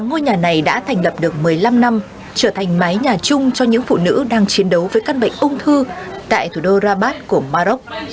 ngôi nhà này đã thành lập được một mươi năm năm trở thành mái nhà chung cho những phụ nữ đang chiến đấu với các bệnh ung thư tại thủ đô rabad của maroc